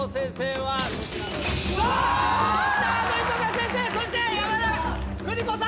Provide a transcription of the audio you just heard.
そして山田邦子さんは！？